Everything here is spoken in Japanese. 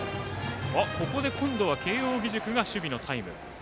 ここで今度は慶応義塾が守備のタイム。